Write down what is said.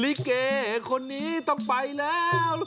ลิเกคนนี้ต้องไปแล้ว